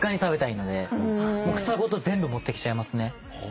房ごと全部持ってきちゃいますね。